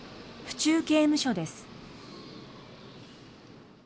府中刑務所です。